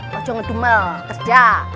kocok ngedumel kerja